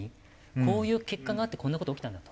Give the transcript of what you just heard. こういう結果があってこんな事起きたんだと。